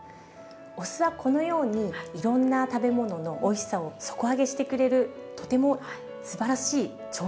お酢はこのようにいろんな食べ物のおいしさを底上げしてくれるとてもすばらしい調味料なんです。